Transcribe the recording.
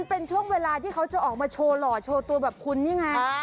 เป็นช่วงเวลาที่เขาจะออกมาโชว์หล่อโชว์ตัวแบบคุณนี่ไง